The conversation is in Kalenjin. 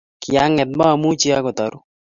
kyanget, mamuchi agot aruu